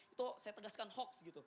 itu saya tegaskan hoax gitu